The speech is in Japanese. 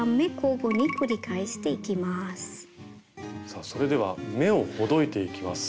さあそれでは目をほどいていきます。